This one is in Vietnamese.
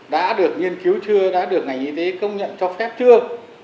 đã được nghiên cứu chưa đã được ngành y tế công nhận cho phép chưa